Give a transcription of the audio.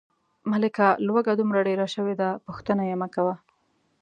ملکه لوږه دومره ډېره شوې ده، پوښتنه یې مکوه.